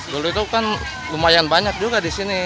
dulu itu kan lumayan banyak juga di sini